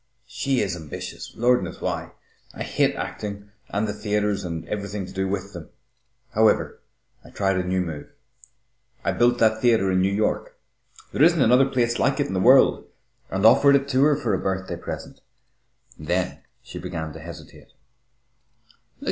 She is ambitious Lord knows why! I hate acting and the theatres and everything to do with them. However, I tried a new move. I built that theatre in New York there isn't another place like it in the world and offered it to her for a birthday present. Then she began to hesitate."